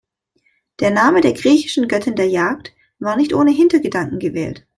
Der Name der griechischen Göttin der Jagd war nicht ohne Hintergedanken gewählt.